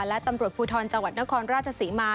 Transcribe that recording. และตำรวจภูทรจังหวัดนครราชศรีมา